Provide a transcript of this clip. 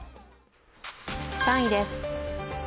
３位です。